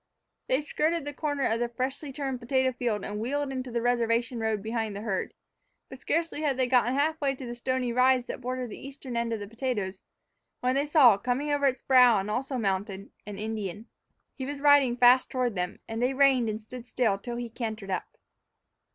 They skirted the corner of the freshly turned potato field and wheeled into the reservation road behind the herd. But scarcely had they gotten half way to the stony rise that bordered the eastern end of the potatoes, when they saw, coming over its brow and also mounted, an Indian. He was riding fast toward them, and they reined and stood still till he cantered up.